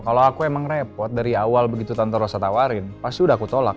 kalau aku emang repot dari awal begitu tanto rosa tawarin pasti udah aku tolak